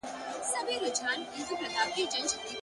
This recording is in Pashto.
ستا يې په څه که لېونی سم بيا راونه خاندې _